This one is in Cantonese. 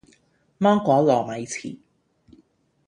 芒果糯米糍